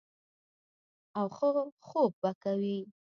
او ښۀ خوب به کوي -